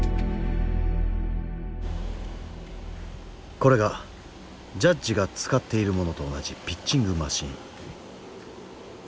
これがジャッジが使っているものと同じピッチングマシン。